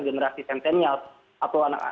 generasi sentenial atau anak